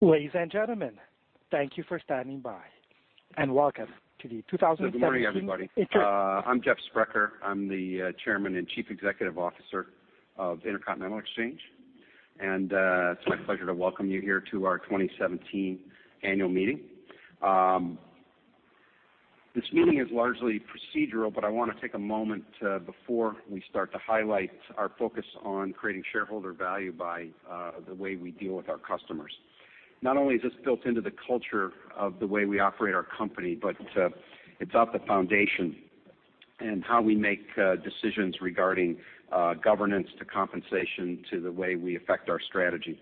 Ladies and gentlemen, thank you for standing by. Good morning, everybody. I'm Jeff Sprecher. I'm the Chairman and Chief Executive Officer of Intercontinental Exchange. It's my pleasure to welcome you here to our 2017 Annual Meeting. This meeting is largely procedural, but I want to take a moment before we start to highlight our focus on creating shareholder value by the way we deal with our customers. Not only is this built into the culture of the way we operate our company, but it's at the foundation in how we make decisions regarding governance to compensation to the way we affect our strategy.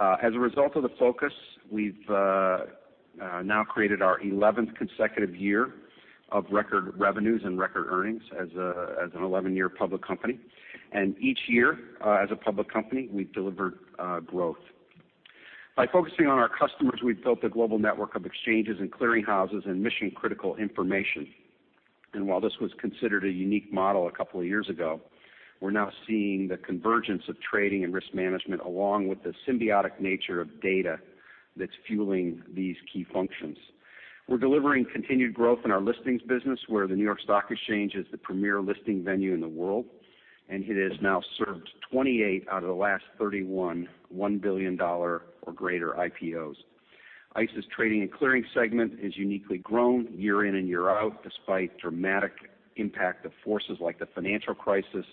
As a result of the focus, we've now created our 11th consecutive year of record revenues and record earnings as an 11-year public company. Each year as a public company, we've delivered growth. By focusing on our customers, we've built a global network of exchanges and clearing houses and mission-critical information. While this was considered a unique model a couple of years ago, we're now seeing the convergence of trading and risk management along with the symbiotic nature of data that's fueling these key functions. We're delivering continued growth in our listings business, where the New York Stock Exchange is the premier listing venue in the world, and it has now served 28 out of the last 31 $1 billion or greater IPOs. ICE's trading and clearing segment is uniquely grown year in and year out, despite dramatic impact of forces like the financial crisis,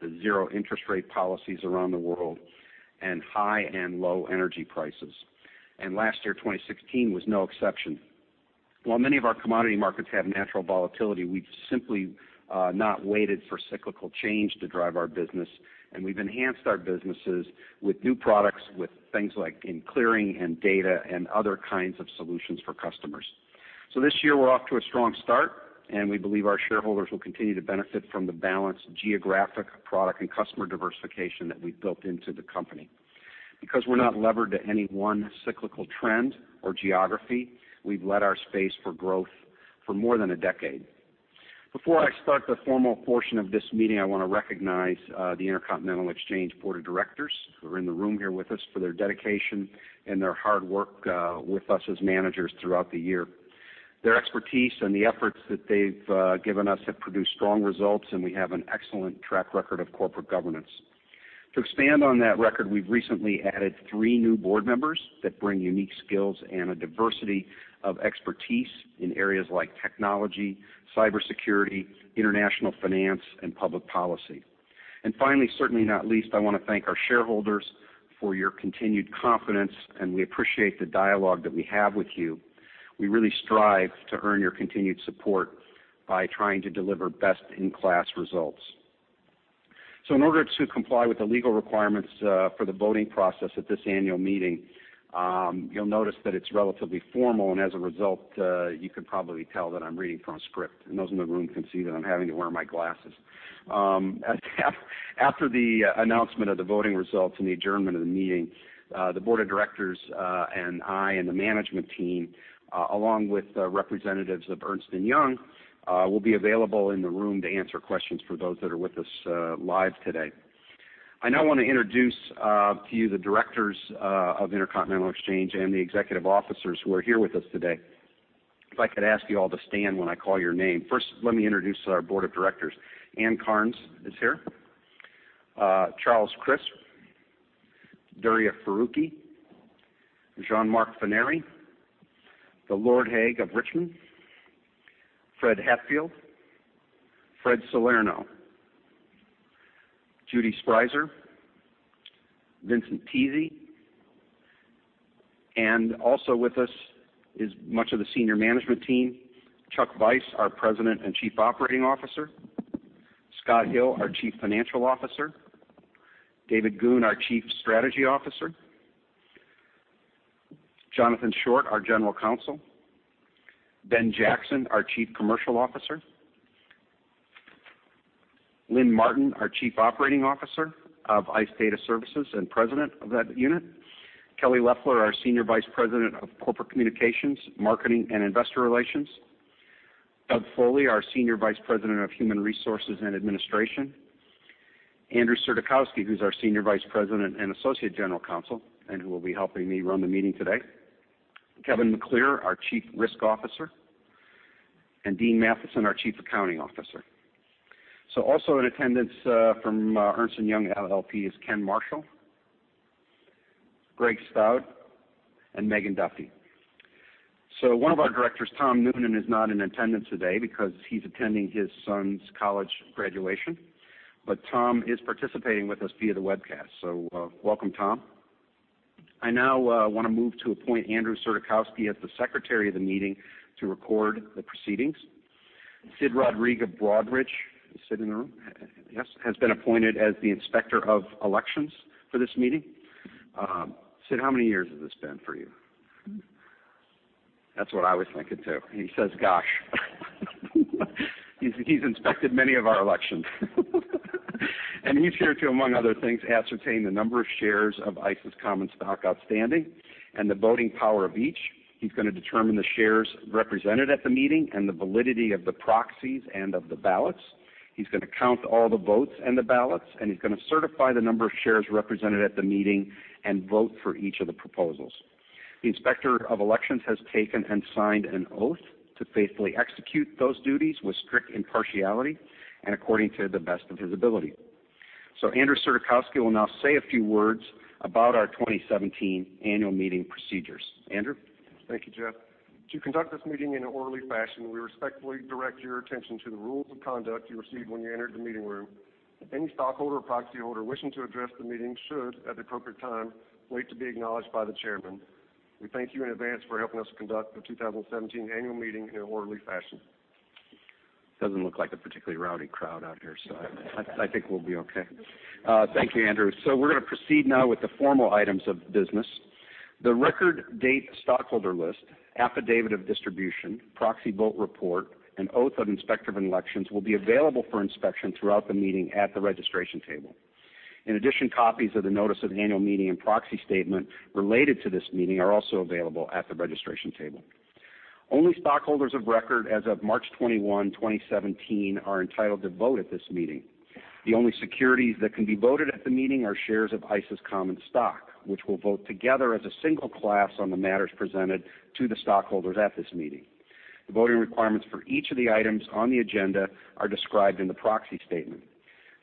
the zero interest rate policies around the world, and high and low energy prices. Last year, 2016 was no exception. While many of our commodity markets have natural volatility, we've simply not waited for cyclical change to drive our business, and we've enhanced our businesses with new products, with things like in clearing and data and other kinds of solutions for customers. This year, we're off to a strong start, and we believe our shareholders will continue to benefit from the balanced geographic product and customer diversification that we've built into the company. Because we're not levered to any one cyclical trend or geography, we've led our space for growth for more than a decade. Before I start the formal portion of this meeting, I want to recognize the Intercontinental Exchange Board of Directors who are in the room here with us for their dedication and their hard work with us as managers throughout the year. Their expertise and the efforts that they've given us have produced strong results. We have an excellent track record of corporate governance. To expand on that record, we've recently added three new board members that bring unique skills and a diversity of expertise in areas like technology, cybersecurity, international finance, and public policy. Finally, certainly not least, I want to thank our shareholders for your continued confidence. We appreciate the dialogue that we have with you. We really strive to earn your continued support by trying to deliver best-in-class results. In order to comply with the legal requirements for the voting process at this annual meeting, you'll notice that it's relatively formal. As a result, you can probably tell that I'm reading from a script. Those in the room can see that I'm having to wear my glasses. After the announcement of the voting results and the adjournment of the meeting, the board of directors and I and the management team, along with representatives of Ernst & Young, will be available in the room to answer questions for those that are with us live today. I now want to introduce to you the directors of Intercontinental Exchange and the executive officers who are here with us today. If I could ask you all to stand when I call your name. First, let me introduce our board of directors. Ann Cairns is here. Charles Crisp, Duriya Farooqui, Jean-Marc Forneri, Lord Hague of Richmond, Fred Hatfield, Fred Salerno, Judy Sprieser, Vincent Tese. Also with us is much of the senior management team, Chuck Vice, our President and Chief Operating Officer, Scott Hill, our Chief Financial Officer, David Goone, our Chief Strategy Officer, Johnathan Short, our General Counsel, Ben Jackson, our Chief Commercial Officer, Lynn Martin, our Chief Operating Officer of ICE Data Services and President of that unit, Kelly Loeffler, our Senior Vice President of Corporate Communications, Marketing, and Investor Relations, Doug Foley, our Senior Vice President of Human Resources and Administration, Andrew Surdykowski, who's our Senior Vice President and Associate General Counsel and who will be helping me run the meeting today, Kevin McClear, our Chief Risk Officer, and Dean Mathison, our Chief Accounting Officer. Also in attendance from Ernst & Young LLP is Ken Marshall, Greg Stout, and Megan Duffy. One of our directors, Tom Noonan, is not in attendance today because he's attending his son's college graduation. Tom is participating with us via the webcast. Welcome, Tom. I now want to move to appoint Andrew Surdykowski as the secretary of the meeting to record the proceedings. Sid Rodrigue of Broadridge, is Sid in the room? Yes. Has been appointed as the Inspector of Elections for this meeting. Sid, how many years has this been for you? That's what I was thinking, too. He says, "Gosh." He's inspected many of our elections. He's here to, among other things, ascertain the number of shares of ICE's common stock outstanding and the voting power of each. He's going to determine the shares represented at the meeting and the validity of the proxies and of the ballots. He's going to count all the votes and the ballots, he's going to certify the number of shares represented at the meeting and vote for each of the proposals. The Inspector of Elections has taken and signed an oath to faithfully execute those duties with strict impartiality and according to the best of his ability. Andrew Surdykowski will now say a few words about our 2017 annual meeting procedures. Andrew? Thank you, Jeff. To conduct this meeting in an orderly fashion, we respectfully direct your attention to the rules of conduct you received when you entered the meeting room. Any stockholder or proxy holder wishing to address the meeting should, at the appropriate time, wait to be acknowledged by the chairman. We thank you in advance for helping us conduct the 2017 annual meeting in an orderly fashion. Doesn't look like a particularly rowdy crowd out here, I think we'll be okay. Thank you, Andrew. We're going to proceed now with the formal items of business. The record date stockholder list, affidavit of distribution, proxy vote report, and oath of Inspector of Elections will be available for inspection throughout the meeting at the registration table. In addition, copies of the notice of annual meeting and proxy statement related to this meeting are also available at the registration table. Only stockholders of record as of March 21, 2017, are entitled to vote at this meeting. The only securities that can be voted at the meeting are shares of ICE's common stock, which will vote together as a single class on the matters presented to the stockholders at this meeting. The voting requirements for each of the items on the agenda are described in the proxy statement.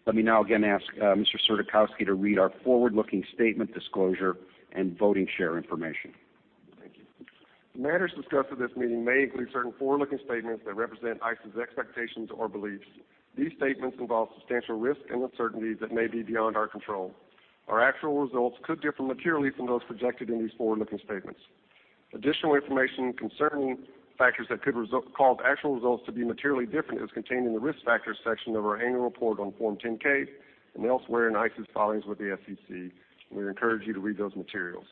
Let me now again ask Mr. Surdykowski to read our forward-looking statement disclosure and voting share information. Thank you. The matters discussed at this meeting may include certain forward-looking statements that represent ICE's expectations or beliefs. These statements involve substantial risks and uncertainties that may be beyond our control. Our actual results could differ materially from those projected in these forward-looking statements. Additional information concerning factors that could cause actual results to be materially different is contained in the Risk Factors section of our annual report on Form 10-K and elsewhere in ICE's filings with the SEC. We encourage you to read those materials.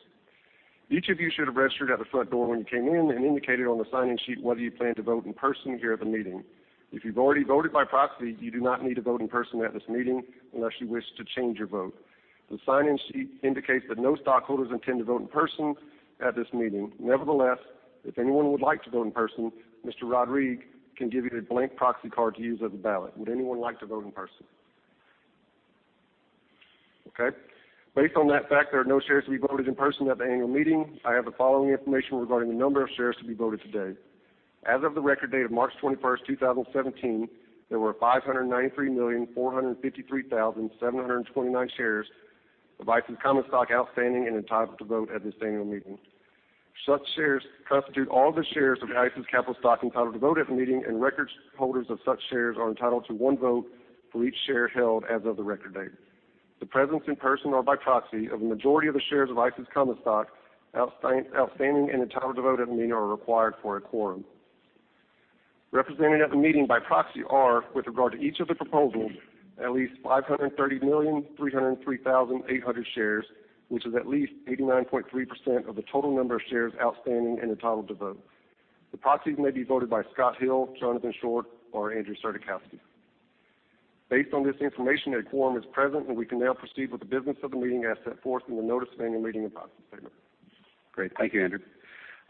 Each of you should have registered at the front door when you came in and indicated on the sign-in sheet whether you plan to vote in person here at the meeting. If you've already voted by proxy, you do not need to vote in person at this meeting unless you wish to change your vote. The sign-in sheet indicates that no stockholders intend to vote in person at this meeting. Nevertheless, if anyone would like to vote in person, Mr. Rodrigue can give you a blank proxy card to use as a ballot. Would anyone like to vote in person? Okay. Based on that fact, there are no shares to be voted in person at the annual meeting. I have the following information regarding the number of shares to be voted today. As of the record date of March 21st, 2017, there were 593,453,729 shares of ICE's common stock outstanding and entitled to vote at this annual meeting. Such shares constitute all of the shares of ICE's capital stock entitled to vote at the meeting, and record holders of such shares are entitled to one vote for each share held as of the record date. The presence in person or by proxy of a majority of the shares of ICE's common stock outstanding and entitled to vote at the meeting are required for a quorum. Represented at the meeting by proxy are, with regard to each of the proposals, at least 530,303,800 shares, which is at least 89.3% of the total number of shares outstanding and entitled to vote. The proxies may be voted by Scott Hill, Johnathan Short, or Andrew Surdykowski. Based on this information, a quorum is present, and we can now proceed with the business of the meeting as set forth in the notice of annual meeting and proxy statement. Great. Thank you, Andrew.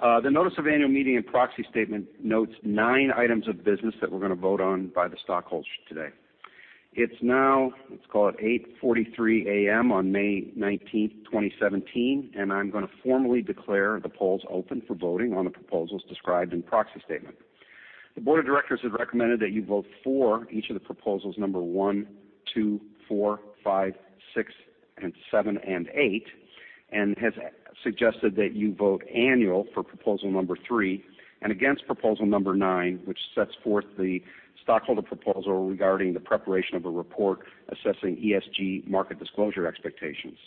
The notice of annual meeting and proxy statement notes nine items of business that we're going to vote on by the stockholders today. It's now, let's call it, 8:43 A.M. on May 19th, 2017, and I'm going to formally declare the polls open for voting on the proposals described in proxy statement. The board of directors has recommended that you vote for each of the proposals number one, two, four, five, six, and seven, and eight, and has suggested that you vote annual for proposal number three, and against proposal number nine, which sets forth the stockholder proposal regarding the preparation of a report assessing ESG market disclosure expectations.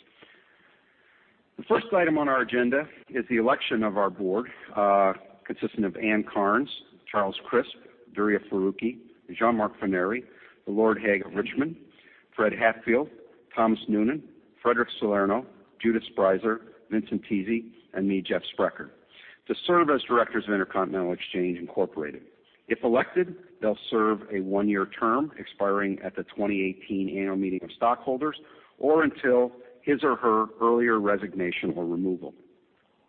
The first item on our agenda is the election of our board, consisting of Ann Cairns, Charles Crisp, Duriya Farooqui, Jean-Marc Forneri, Lord Hague of Richmond, Fred Hatfield, Thomas Noonan, Frederic Salerno, Judith Sprieser, Vincent Tese, and me, Jeff Sprecher, to serve as directors of Intercontinental Exchange Incorporated. If elected, they'll serve a one-year term expiring at the 2018 annual meeting of stockholders or until his or her earlier resignation or removal.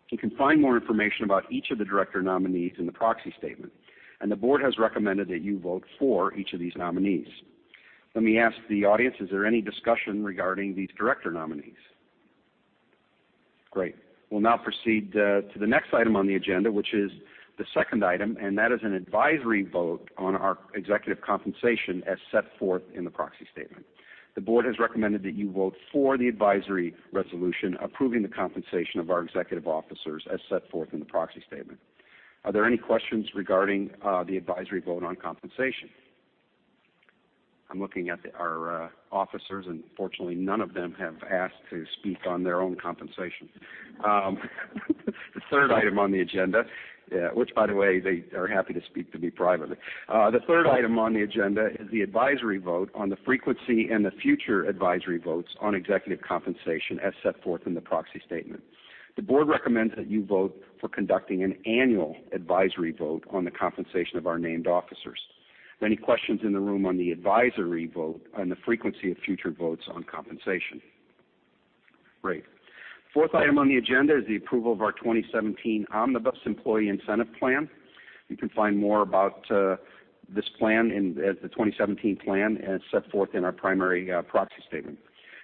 You can find more information about each of the director nominees in the proxy statement. The board has recommended that you vote for each of these nominees. Let me ask the audience, is there any discussion regarding these director nominees? Great. We'll now proceed to the next item on the agenda, which is the second item. That is an advisory vote on our executive compensation as set forth in the proxy statement. The board has recommended that you vote for the advisory resolution approving the compensation of our executive officers as set forth in the proxy statement. Are there any questions regarding the advisory vote on compensation? I'm looking at our officers. Fortunately, none of them have asked to speak on their own compensation. The third item on the agenda. They are happy to speak to me privately. The third item on the agenda is the advisory vote on the frequency and the future advisory votes on executive compensation as set forth in the proxy statement. The board recommends that you vote for conducting an annual advisory vote on the compensation of our named officers. Are there any questions in the room on the advisory vote on the frequency of future votes on compensation? Great. Fourth item on the agenda is the approval of our 2017 Omnibus Employee Incentive Plan. You can find more about this plan, the 2017 plan, as set forth in our primary proxy statement.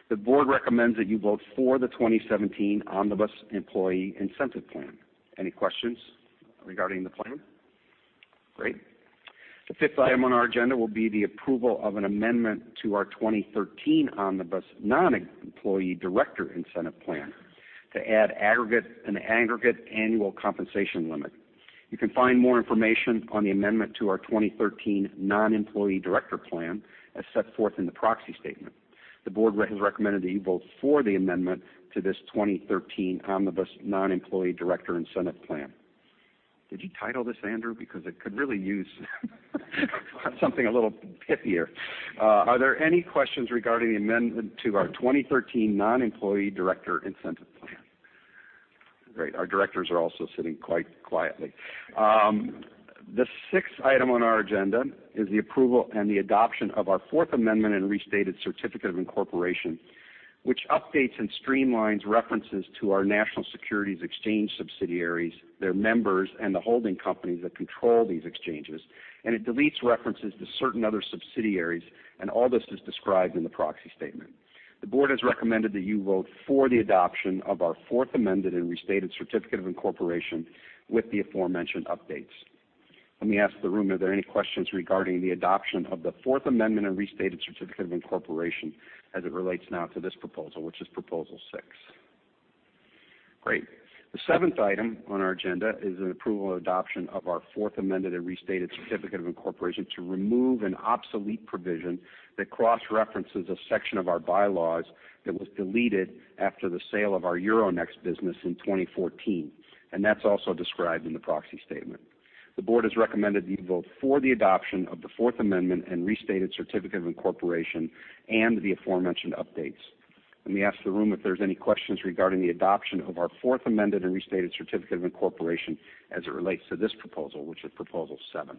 The board recommends that you vote for the 2017 Omnibus Employee Incentive Plan. Any questions regarding the plan? Great. The fifth item on our agenda will be the approval of an amendment to our 2013 Omnibus Non-Employee Director Incentive Plan to add an aggregate annual compensation limit. You can find more information on the amendment to our 2013 Non-Employee Director Plan as set forth in the proxy statement. The board has recommended that you vote for the amendment to this 2013 Omnibus Non-Employee Director Incentive Plan. Did you title this, Andrew? It could really use something a little hippier. Are there any questions regarding the amendment to our 2013 Non-Employee Director Incentive Plan? Great. Our directors are also sitting quite quietly. The sixth item on our agenda is the approval and the adoption of our Fourth Amended and Restated Certificate of Incorporation, which updates and streamlines references to our national securities exchange subsidiaries, their members, and the holding companies that control these exchanges, and it deletes references to certain other subsidiaries, and all this is described in the proxy statement. The board has recommended that you vote for the adoption of our Fourth Amended and Restated Certificate of Incorporation with the aforementioned updates. Let me ask the room, are there any questions regarding the adoption of the Fourth Amended and Restated Certificate of Incorporation as it relates now to this proposal, which is proposal six? Great. The seventh item on our agenda is an approval and adoption of our Fourth Amended and Restated Certificate of Incorporation to remove an obsolete provision that cross-references a section of our bylaws that was deleted after the sale of our Euronext business in 2014, and that's also described in the proxy statement. The board has recommended that you vote for the adoption of the Fourth Amended and Restated Certificate of Incorporation and the aforementioned updates. Let me ask the room if there's any questions regarding the adoption of our Fourth Amended and Restated Certificate of Incorporation as it relates to this proposal, which is proposal seven.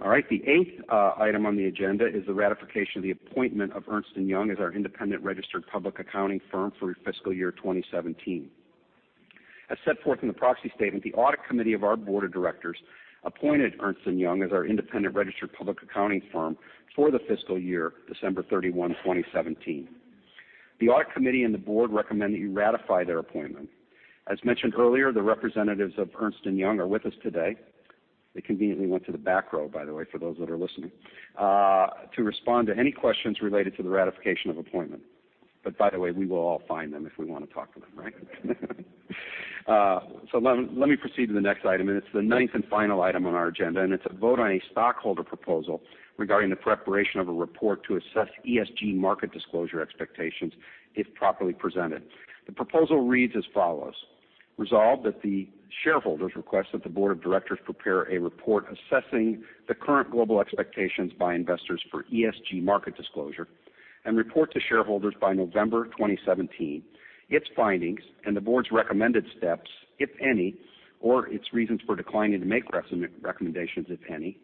All right. The eighth item on the agenda is the ratification of the appointment of Ernst & Young as our independent registered public accounting firm for fiscal year 2017. As set forth in the proxy statement, the audit committee of our board of directors appointed Ernst & Young as our independent registered public accounting firm for the fiscal year December 31, 2017. The audit committee and the board recommend that you ratify their appointment. As mentioned earlier, the representatives of Ernst & Young are with us today. They conveniently went to the back row, by the way, for those that are listening, to respond to any questions related to the ratification of appointment. By the way, we will all find them if we want to talk to them, right? Let me proceed to the next item, and it's the ninth and final item on our agenda, and it's a vote on a stockholder proposal regarding the preparation of a report to assess ESG market disclosure expectations if properly presented. The proposal reads as follows, resolved that the shareholders request that the board of directors prepare a report assessing the current global expectations by investors for ESG market disclosure and report to shareholders by November 2017 its findings and the board's recommended steps, if any, or its reasons for declining to make recommendations, if any,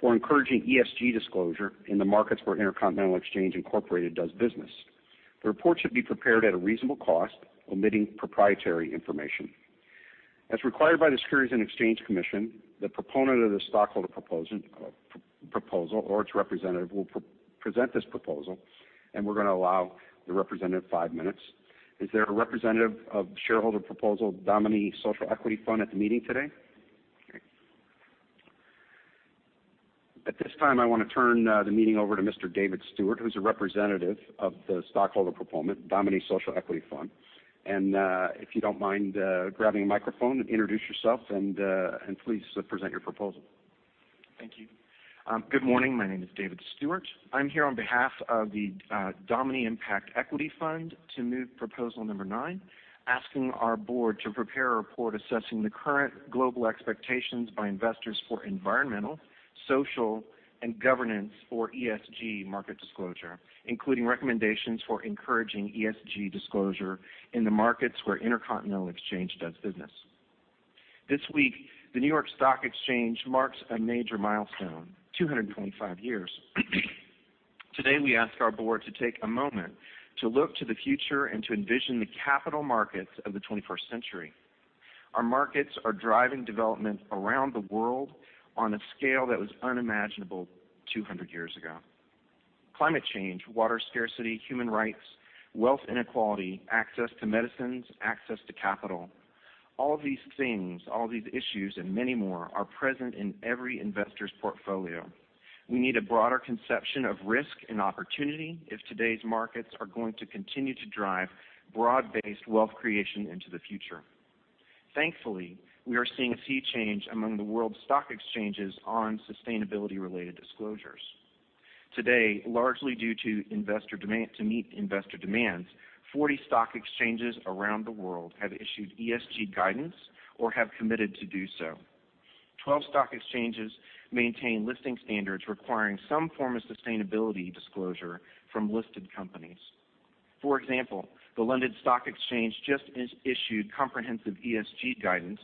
for encouraging ESG disclosure in the markets where Intercontinental Exchange, Inc. does business. The report should be prepared at a reasonable cost, omitting proprietary information. As required by the Securities and Exchange Commission, the proponent of the stockholder proposal or its representative will present this proposal, and we're going to allow the representative five minutes. Is there a representative of shareholder proposal Domini Impact Equity Fund at the meeting today? Okay. At this time, I want to turn the meeting over to Mr. David Stewart, who's a representative of the stockholder proponent, Domini Impact Equity Fund. If you don't mind grabbing a microphone, introduce yourself, and please present your proposal. Thank you. Good morning. My name is David Stewart. I am here on behalf of the Domini Impact Equity Fund to move proposal number nine, asking our board to prepare a report assessing the current global expectations by investors for environmental, social, and governance for ESG market disclosure, including recommendations for encouraging ESG disclosure in the markets where Intercontinental Exchange does business. This week, the New York Stock Exchange marks a major milestone, 225 years. Today, we ask our board to take a moment to look to the future and to envision the capital markets of the 21st century. Our markets are driving development around the world on a scale that was unimaginable 200 years ago. Climate change, water scarcity, human rights, wealth inequality, access to medicines, access to capital, all of these things, all of these issues, and many more are present in every investor's portfolio. We need a broader conception of risk and opportunity if today's markets are going to continue to drive broad-based wealth creation into the future. Thankfully, we are seeing a sea change among the world's stock exchanges on sustainability-related disclosures. Today, largely to meet investor demands, 40 stock exchanges around the world have issued ESG guidance or have committed to do so. 12 stock exchanges maintain listing standards requiring some form of sustainability disclosure from listed companies. For example, the London Stock Exchange just issued comprehensive ESG guidance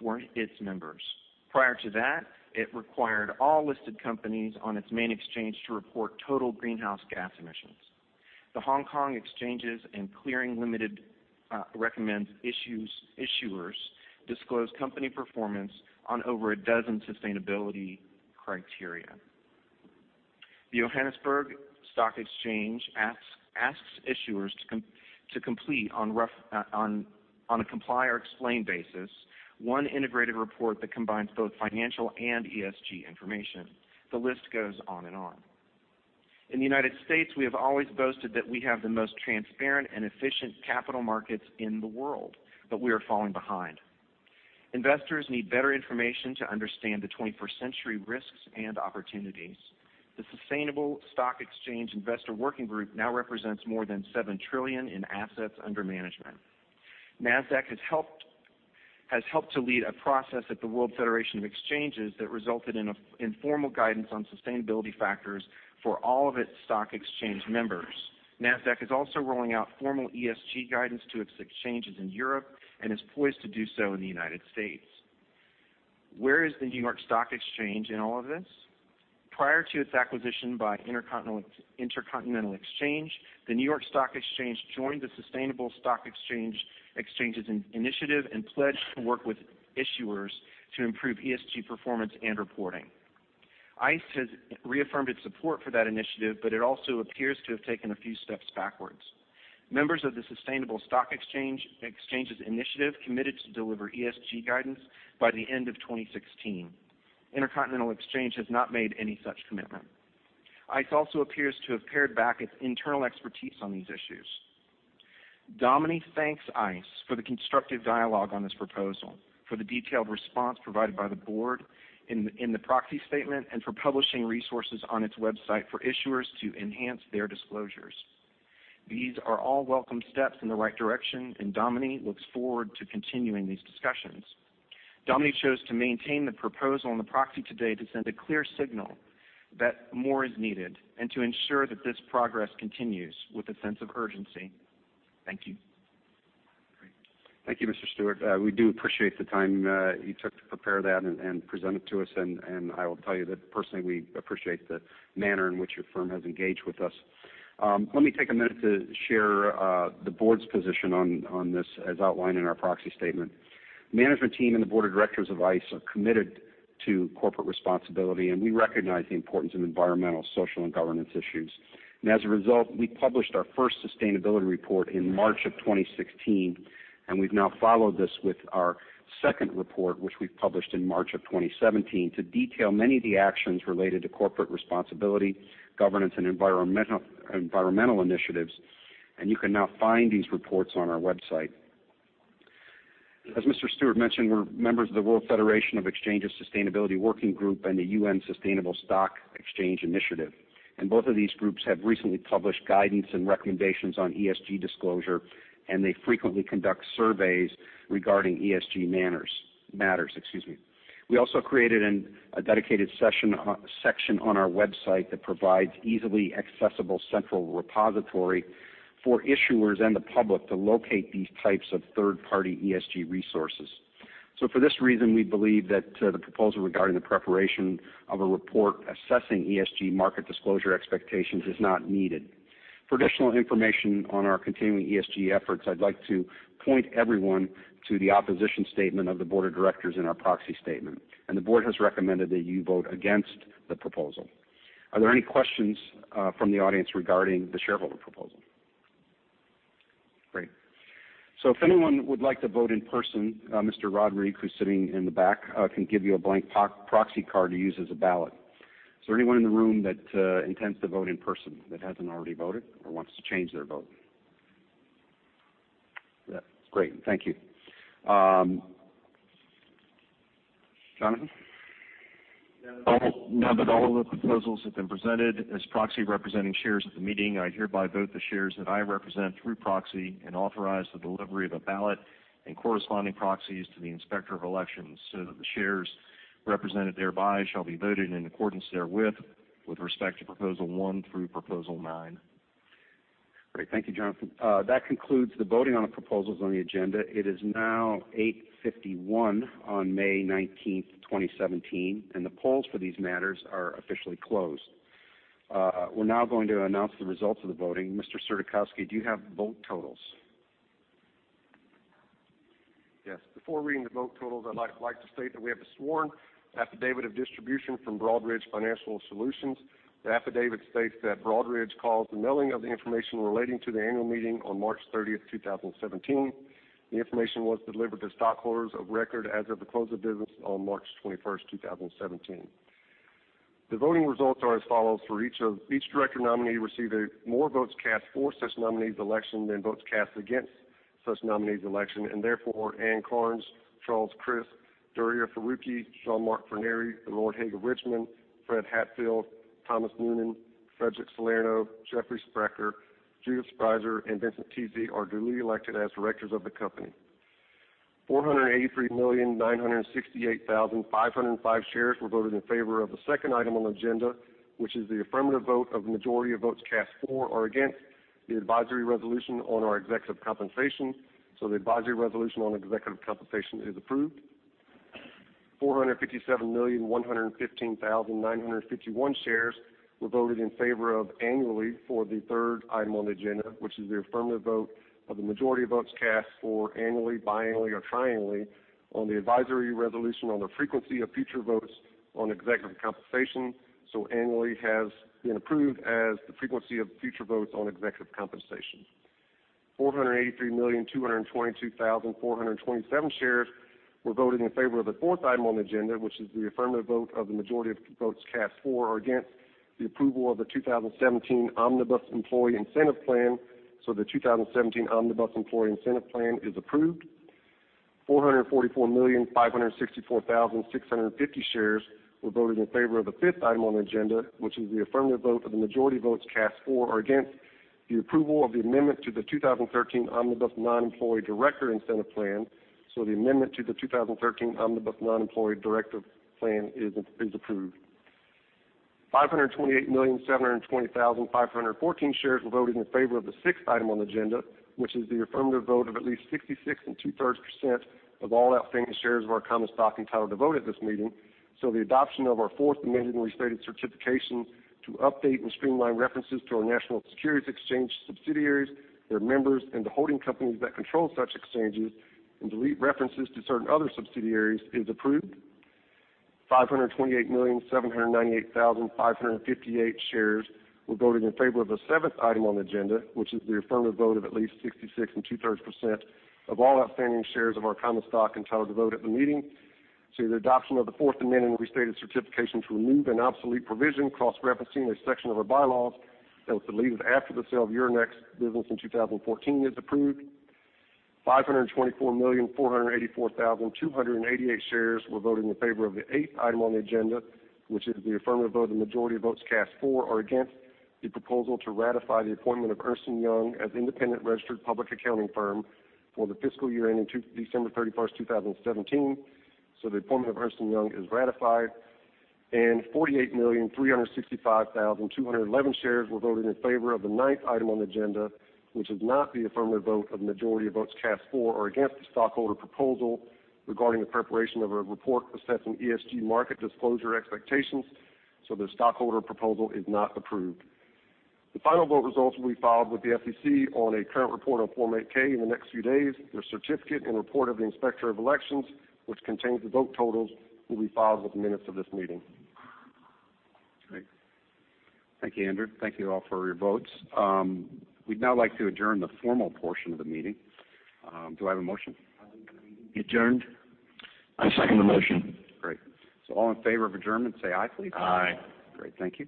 for its members. Prior to that, it required all listed companies on its main exchange to report total greenhouse gas emissions. The Hong Kong Exchanges and Clearing Limited recommends issuers disclose company performance on over a dozen sustainability criteria. The Johannesburg Stock Exchange asks issuers to complete on a comply-or-explain basis, one integrated report that combines both financial and ESG information. The list goes on and on. In the U.S., we have always boasted that we have the most transparent and efficient capital markets in the world, but we are falling behind. Investors need better information to understand the 21st-century risks and opportunities. The Sustainable Stock Exchanges Investor Working Group now represents more than $7 trillion in assets under management. Nasdaq has helped to lead a process at the World Federation of Exchanges that resulted in formal guidance on sustainability factors for all of its stock exchange members. Nasdaq is also rolling out formal ESG guidance to its exchanges in Europe and is poised to do so in the U.S. Where is the New York Stock Exchange in all of this? Prior to its acquisition by Intercontinental Exchange, the New York Stock Exchange joined the Sustainable Stock Exchanges Initiative and pledged to work with issuers to improve ESG performance and reporting. ICE has reaffirmed its support for that initiative, but it also appears to have taken a few steps backwards. Members of the Sustainable Stock Exchanges Initiative committed to deliver ESG guidance by the end of 2016. Intercontinental Exchange has not made any such commitment. ICE also appears to have pared back its internal expertise on these issues. Domini thanks ICE for the constructive dialogue on this proposal, for the detailed response provided by the board in the proxy statement, and for publishing resources on its website for issuers to enhance their disclosures. These are all welcome steps in the right direction, and Domini looks forward to continuing these discussions. Domini chose to maintain the proposal on the proxy today to send a clear signal that more is needed and to ensure that this progress continues with a sense of urgency. Thank you. Thank you, Mr. Stewart. We do appreciate the time you took to prepare that and present it to us. I will tell you that personally, we appreciate the manner in which your firm has engaged with us. Let me take a minute to share the board's position on this as outlined in our proxy statement. Management team and the board of directors of ICE are committed to corporate responsibility. We recognize the importance of environmental, social, and governance issues. As a result, we published our first sustainability report in March 2016. We've now followed this with our second report, which we've published in March 2017 to detail many of the actions related to corporate responsibility, governance, and environmental initiatives. You can now find these reports on our website. As Mr. Stewart mentioned, we're members of the World Federation of Exchanges Sustainability Working Group and the UN Sustainable Stock Exchanges initiative. Both of these groups have recently published guidance and recommendations on ESG disclosure. They frequently conduct surveys regarding ESG matters. We also created a dedicated section on our website that provides easily accessible central repository for issuers and the public to locate these types of third-party ESG resources. For this reason, we believe that the proposal regarding the preparation of a report assessing ESG market disclosure expectations is not needed. For additional information on our continuing ESG efforts, I'd like to point everyone to the opposition statement of the board of directors in our proxy statement. The board has recommended that you vote against the proposal. Are there any questions from the audience regarding the shareholder proposal? Great. If anyone would like to vote in person, Mr. Rodrigue, who's sitting in the back, can give you a blank proxy card to use as a ballot. Is there anyone in the room that intends to vote in person that hasn't already voted or wants to change their vote? Great. Thank you. Johnathan? Now that all of the proposals have been presented as proxy representing shares at the meeting, I hereby vote the shares that I represent through proxy and authorize the delivery of a ballot and corresponding proxies to the Inspector of Elections so that the shares represented thereby shall be voted in accordance therewith with respect to Proposal One through Proposal Nine. Great. Thank you, Johnathan. That concludes the voting on the proposals on the agenda. It is now 8:51 A.M. on May 19th, 2017, and the polls for these matters are officially closed. We are now going to announce the results of the voting. Mr. Surdykowski, do you have vote totals? Yes. Before reading the vote totals, I would like to state that we have a sworn affidavit of distribution from Broadridge Financial Solutions. The affidavit states that Broadridge caused the mailing of the information relating to the annual meeting on March 30th, 2017. The information was delivered to stockholders of record as of the close of business on March 21st, 2017. The voting results are as follows. For each director nominee received more votes cast for such nominee's election than votes cast against such nominee's election, and therefore Ann Cairns, Charles Crisp, Duriya Farooqui, Jean-Marc Forneri, Lord Hague of Richmond, Fred Hatfield, Thomas Noonan, Frederic Salerno, Jeffrey Sprecher, Judith Sprieser, and Vincent Tese are duly elected as directors of the company. 483,968,505 shares were voted in favor of the second item on the agenda, which is the affirmative vote of the majority of votes cast for or against the advisory resolution on our executive compensation. The advisory resolution on executive compensation is approved. 457,115,951 shares were voted in favor of annually for the third item on the agenda, which is the affirmative vote of the majority of votes cast for annually, biannually, or triennially on the advisory resolution on the frequency of future votes on executive compensation. Annually has been approved as the frequency of future votes on executive compensation. 483,222,427 shares were voted in favor of the fourth item on the agenda, which is the affirmative vote of the majority of votes cast for or against the approval of the 2017 Omnibus Employee Incentive Plan. The 2017 Omnibus Employee Incentive Plan is approved. 444,564,650 shares were voted in favor of the fifth item on the agenda, which is the affirmative vote of the majority of votes cast for or against the approval of the amendment to the 2013 Omnibus Non-Employee Director Incentive Plan. The amendment to the 2013 Omnibus Non-Employee Director Plan is approved. 528,720,514 shares were voted in favor of the sixth item on the agenda, which is the affirmative vote of at least 66 and two-thirds % of all outstanding shares of our common stock entitled to vote at this meeting. The adoption of our Fourth Amended and Restated Certificate to update and streamline references to our national securities exchange subsidiaries, their members, and the holding companies that control such exchanges and delete references to certain other subsidiaries is approved. 528,798,558 shares were voted in favor of the seventh item on the agenda, which is the affirmative vote of at least 66 and two-thirds % of all outstanding shares of our common stock entitled to vote at the meeting. The adoption of the Fourth Amended and Restated Certificate to remove an obsolete provision cross-referencing a section of our bylaws that was deleted after the sale of Euronext business in 2014 is approved. 524,484,288 shares were voted in favor of the eighth item on the agenda, which is the affirmative vote of the majority of votes cast for or against the proposal to ratify the appointment of Ernst & Young as independent registered public accounting firm for the fiscal year ending December 31st, 2017. The appointment of Ernst & Young is ratified. 48,365,211 shares were voted in favor of the ninth item on the agenda, which is not the affirmative vote of the majority of votes cast for or against the stockholder proposal regarding the preparation of a report assessing ESG market disclosure expectations. The stockholder proposal is not approved. The final vote results will be filed with the SEC on a current report on Form 8-K in the next few days. The certificate and report of the Inspector of Elections, which contains the vote totals, will be filed with the minutes of this meeting. Great. Thank you, Andrew. Thank you all for your votes. We'd now like to adjourn the formal portion of the meeting. Do I have a motion? Adjourn the meeting. I second the motion. Great. All in favor of adjournment say aye, please. Aye. Great, thank you.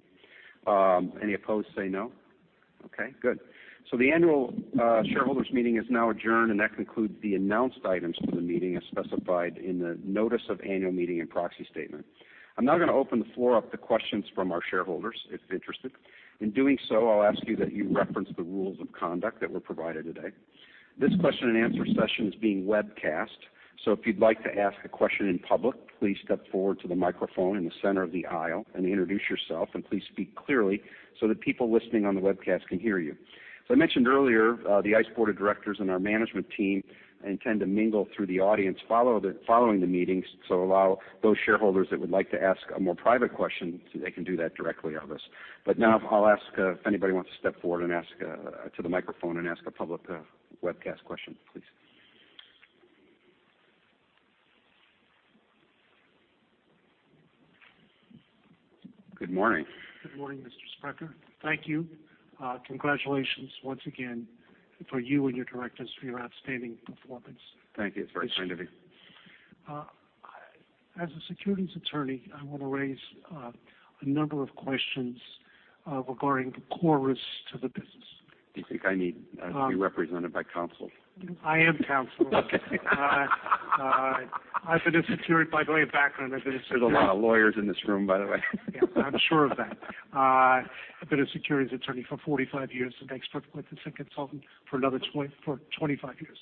Any opposed, say no. Okay, good. The annual shareholders meeting is now adjourned, and that concludes the announced items for the meeting as specified in the notice of annual meeting and proxy statement. I'm now going to open the floor up to questions from our shareholders, if interested. In doing so, I'll ask you that you reference the rules of conduct that were provided today. This question and answer session is being webcast. If you'd like to ask a question in public, please step forward to the microphone in the center of the aisle and introduce yourself, and please speak clearly so that people listening on the webcast can hear you. As I mentioned earlier, the ICE Board of Directors and our management team intend to mingle through the audience following the meetings to allow those shareholders that would like to ask a more private question so they can do that directly of us. Now I'll ask if anybody wants to step forward to the microphone and ask a public webcast question, please. Good morning. Good morning, Mr. Sprecher. Thank you. Congratulations once again for you and your directors for your outstanding performance. Thank you. That's very kind of you. As a securities attorney, I want to raise a number of questions regarding the core risks to the business. Do you think I need to be represented by counsel? I am counsel. Okay. I've been a security By the way, background, There's a lot of lawyers in this room, by the way. Yeah, I'm sure of that. I've been a securities attorney for 45 years, an expert witness and consultant for 25 years.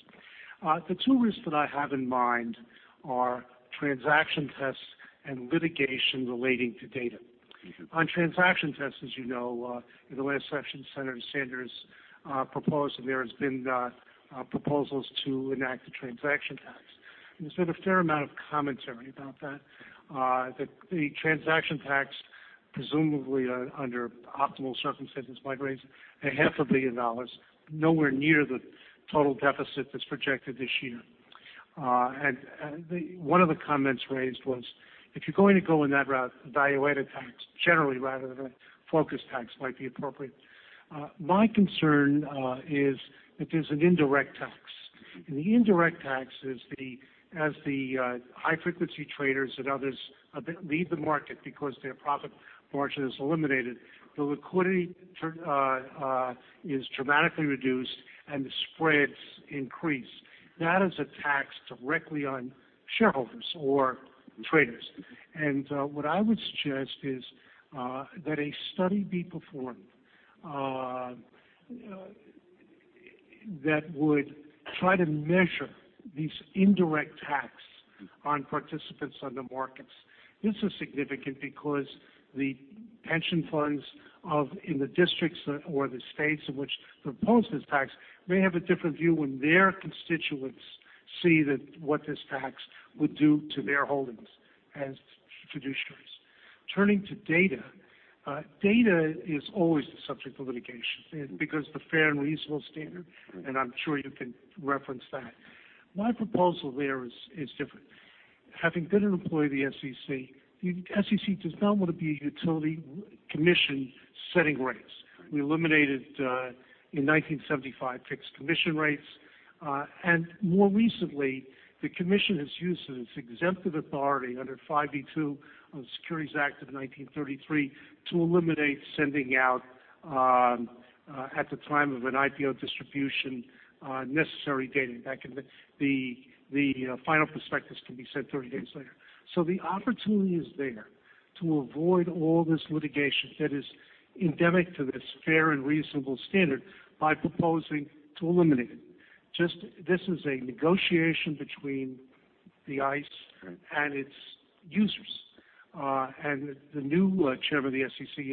The two risks that I have in mind are transaction tax and litigation relating to data. On transaction tax, as you know, in the last session, Senator Sanders proposed, there have been proposals to enact a transaction tax. There's been a fair amount of commentary about that. The transaction tax, presumably under optimal circumstances, might raise a half a billion dollars, nowhere near the total deficit that's projected this year. One of the comments raised was, if you're going to go in that route, a value-added tax generally rather than a focused tax might be appropriate. My concern is if there's an indirect tax. The indirect tax is as the high-frequency traders and others leave the market because their profit margin is eliminated, the liquidity is dramatically reduced, and the spreads increase. That is a tax directly on shareholders or traders. What I would suggest is that a study be performed that would try to measure this indirect tax on participants on the markets. This is significant because the pension funds in the districts or the states in which propose this tax may have a different view when their constituents see what this tax would do to their holdings as fiduciaries. Turning to data. Data is always the subject of litigation because the fair and reasonable standard, and I'm sure you can reference that. My proposal there is different. Having been an employee of the SEC, the SEC does not want to be a utility commission setting rates. We eliminated, in 1975, fixed commission rates. More recently, the commission has used its exemptive authority under 5(2) of the Securities Act of 1933 to eliminate sending out, at the time of an IPO distribution, necessary data. The final prospectus can be sent 30 days later. The opportunity is there to avoid all this litigation that is endemic to this fair and reasonable standard by proposing to eliminate it. This is a negotiation between the ICE and its users. The new chairman of the SEC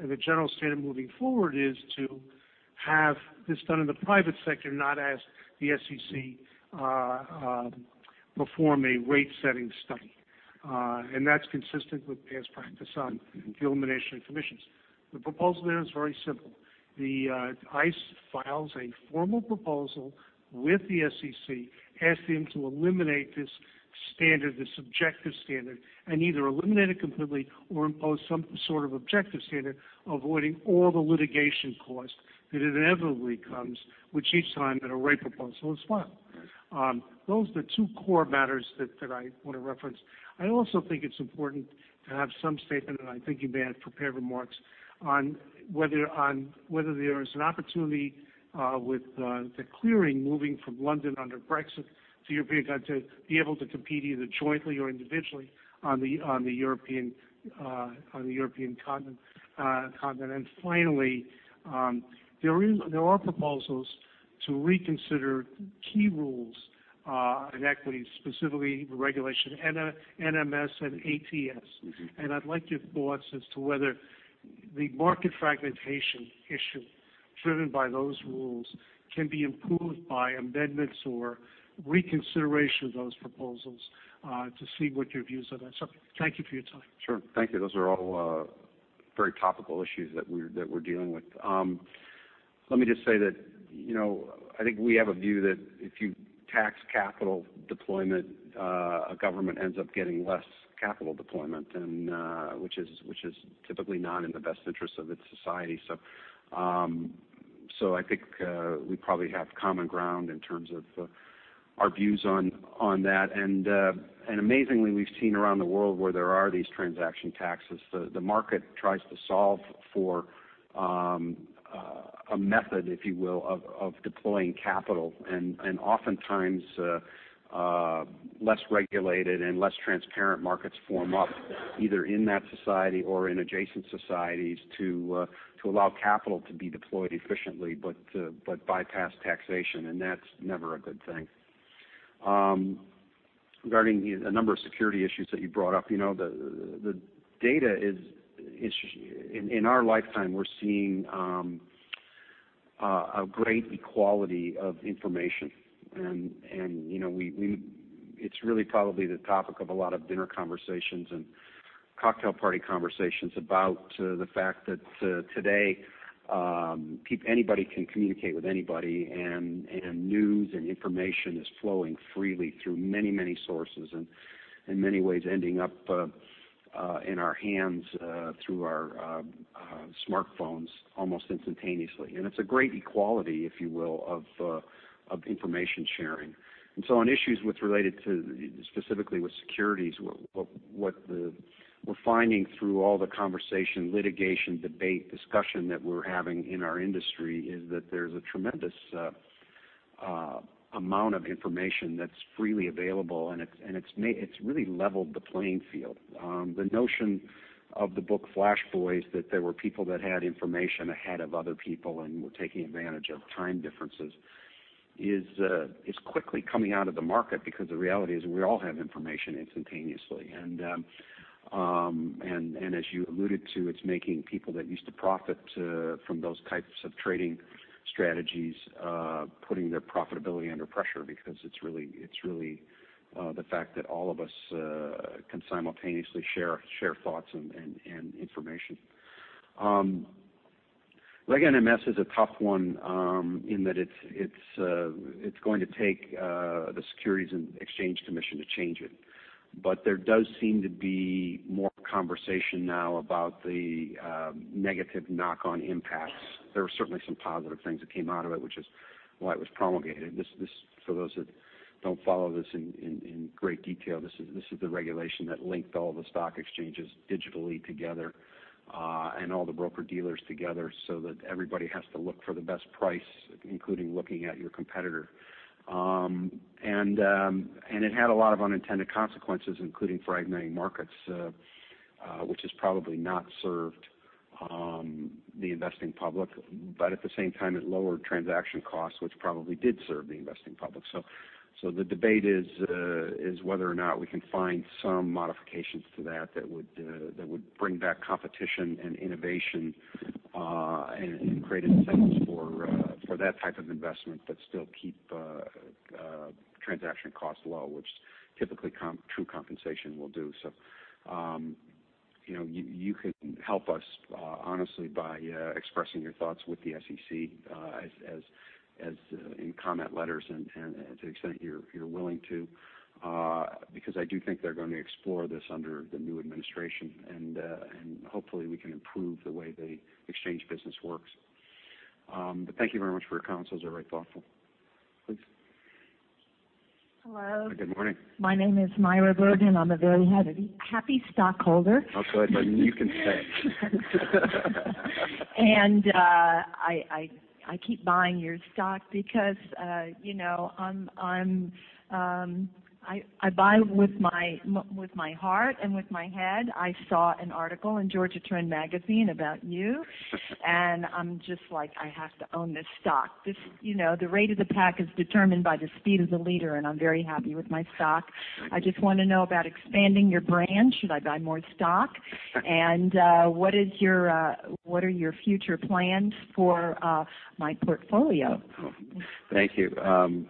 and the general standard moving forward is to have this done in the private sector, not as the SEC perform a rate-setting study. That's consistent with past practice on the elimination of commissions. The proposal there is very simple. The ICE files a formal proposal with the SEC asking them to eliminate this standard, this objective standard, and either eliminate it completely or impose some sort of objective standard, avoiding all the litigation cost that inevitably comes with each time that a rate proposal is filed. Right. Those are the two core matters that I want to reference. I also think it's important to have some statement, and I think you may have prepared remarks, on whether there is an opportunity with the clearing moving from London under Brexit to European continent to be able to compete either jointly or individually on the European continent. Finally, there are proposals to reconsider key rules in equities, specifically Regulation NMS and ATS. I'd like your thoughts as to whether the market fragmentation issue driven by those rules can be improved by amendments or reconsideration of those proposals, to see what your views are on that subject. Thank you for your time. Sure. Thank you. Those are all very topical issues that we're dealing with. Let me just say that I think we have a view that if you tax capital deployment, a government ends up getting less capital deployment which is typically not in the best interest of its society. I think we probably have common ground in terms of our views on that. Amazingly, we've seen around the world where there are these transaction taxes. The market tries to solve for a method, if you will, of deploying capital. Oftentimes, less regulated and less transparent markets form up either in that society or in adjacent societies to allow capital to be deployed efficiently but bypass taxation, and that's never a good thing. Regarding a number of security issues that you brought up. The data is. In our lifetime, we're seeing a great equality of information. It's really probably the topic of a lot of dinner conversations and cocktail party conversations about the fact that today, anybody can communicate with anybody, and news and information is flowing freely through many sources and in many ways ending up in our hands through our smartphones almost instantaneously. It's a great equality, if you will, of information sharing. On issues related specifically with securities, what we're finding through all the conversation, litigation, debate, discussion that we're having in our industry is that there's a tremendous amount of information that's freely available, and it's really leveled the playing field. The notion of the book "Flash Boys," that there were people that had information ahead of other people and were taking advantage of time differences is quickly coming out of the market because the reality is we all have information instantaneously. As you alluded to, it's making people that used to profit from those types of trading strategies putting their profitability under pressure because it's really the fact that all of us can simultaneously share thoughts and information. Regulation NMS is a tough one, in that it's going to take the Securities and Exchange Commission to change it. There does seem to be more conversation now about the negative knock-on impacts. There were certainly some positive things that came out of it, which is why it was promulgated. For those that don't follow this in great detail, this is the regulation that linked all the stock exchanges digitally together, and all the broker-dealers together so that everybody has to look for the best price, including looking at your competitor. It had a lot of unintended consequences, including fragmenting markets. Which has probably not served the investing public, but at the same time, it lowered transaction costs, which probably did serve the investing public. The debate is whether or not we can find some modifications to that would bring back competition and innovation, and create incentives for that type of investment, but still keep transaction costs low, which typically true compensation will do. You could help us, honestly, by expressing your thoughts with the SEC as in comment letters and to the extent you're willing to, because I do think they're going to explore this under the new administration, and hopefully we can improve the way the exchange business works. Thank you very much for your counsel. It's very thoughtful. Please. Hello. Good morning. My name is Myra Burden. I'm a very happy stockholder. Oh, good. You can stay. I keep buying your stock because I buy with my heart and with my head. I saw an article in Georgia Trend about you, I'm just like, "I have to own this stock." The rate of the pack is determined by the speed of the leader, I'm very happy with my stock. I just want to know about expanding your brand. Should I buy more stock? What are your future plans for my portfolio? Thank you.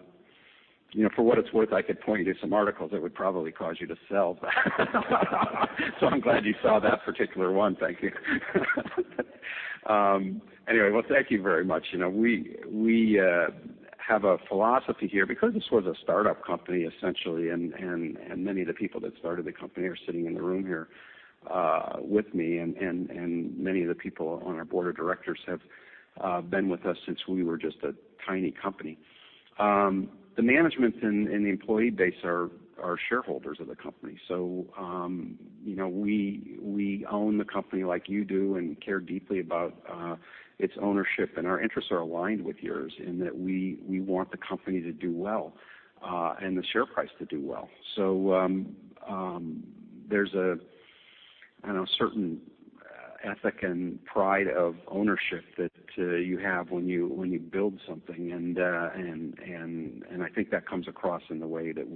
For what it's worth, I could point you to some articles that would probably cause you to sell. I'm glad you saw that particular one. Thank you. Thank you very much. We have a philosophy here because this was a startup company, essentially, many of the people that started the company are sitting in the room here with me, many of the people on our board of directors have been with us since we were just a tiny company. The management and the employee base are shareholders of the company. We own the company like you do and care deeply about its ownership, our interests are aligned with yours in that we want the company to do well, the share price to do well. There's a certain ethic and pride of ownership that you have when you build something, I think that comes across in the way that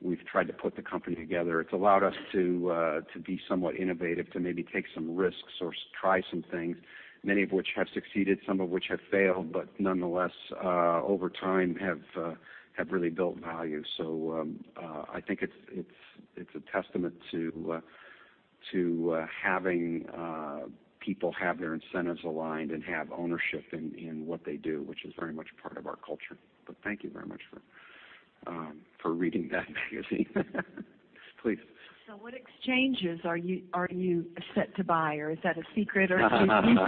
we've tried to put the company together. It's allowed us to be somewhat innovative, to maybe take some risks or try some things, many of which have succeeded, some of which have failed, but nonetheless, over time have really built value. I think it's a testament to having people have their incentives aligned and have ownership in what they do, which is very much a part of our culture. Thank you very much for reading that magazine. Please. What exchanges are you set to buy, or is that a secret or can you tell me?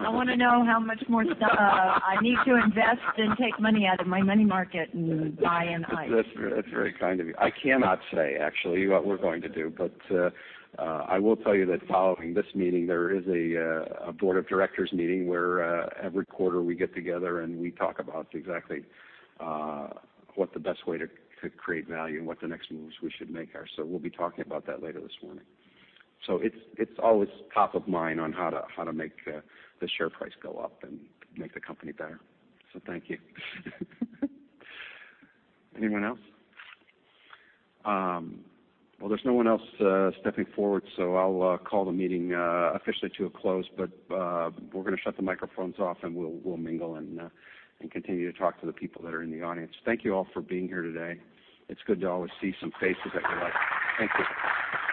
I want to know how much more stuff I need to invest and take money out of my money market and buy an ICE. That's very kind of you. I cannot say actually what we're going to do, but I will tell you that following this meeting, there is a board of directors meeting where every quarter we get together and we talk about exactly what the best way to create value and what the next moves we should make are. We'll be talking about that later this morning. It's always top of mind on how to make the share price go up and make the company better. Thank you. Anyone else? Well, there's no one else stepping forward, I'll call the meeting officially to a close. We're going to shut the microphones off, and we'll mingle and continue to talk to the people that are in the audience. Thank you all for being here today. It's good to always see some faces I collect. Thank you.